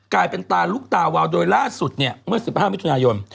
กลายเป็นตาลุกตาวาวโดยล่าสุดเนี่ยเมื่อ๑๕มิถุนายน